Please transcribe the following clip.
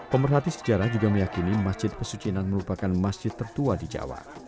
pemerhati sejarah juga meyakini masjid pesucinan merupakan masjid tertua di jawa